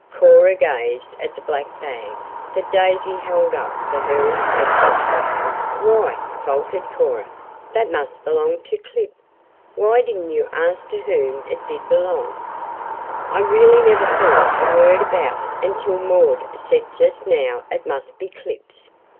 Cora gazed at the black bag that Daisy held up for her inspection. "Why," faltered Cora, "that must belong to Clip. Why didn't you ask to whom it did belong?" "I really never thought a word about it until Maud said just now it must be Clip's."